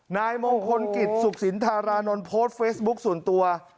นายมงคลกิจสุขสินธารานนท์โพสต์เฟซบุ๊คส่วนตัว